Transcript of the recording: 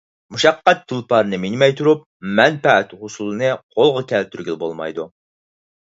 مۇشەققەت تۇلپارىنى مىنمەي تۇرۇپ مەنپەئەت ھوسۇلىنى قولغا كەلتۈرگىلى بولمايدۇ.